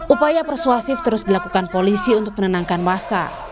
upaya persuasif terus dilakukan polisi untuk menenangkan masa